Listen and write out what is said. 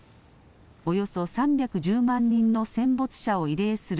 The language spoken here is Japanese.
およそ３１０万人の戦没者を慰霊する、